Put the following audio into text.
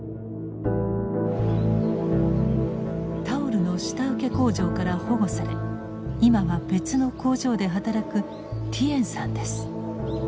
タオルの下請け工場から保護され今は別の工場で働くティエンさんです。